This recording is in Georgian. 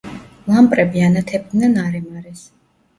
ლამპრები ანათებდნენ არემარეს.